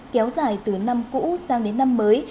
kéo dài từ năm cũ sang đến năm mới